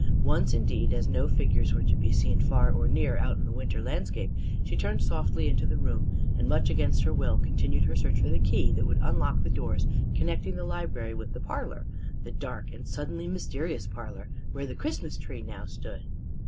Once, indeed, as no figures were to be seen far or near out on the winter landscape, she turned softly into the room, and much against her will continued her search for the key that would unlock the doors connecting the library with the parlor the dark and suddenly mysterious parlor where the Christmas Tree now stood.